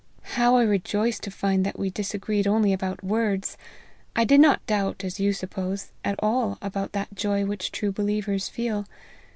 How I rejoice to find that we disagreed only about words ! I did not doubt, as you suppose, at all about that joy which true believers feel.